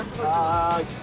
はい。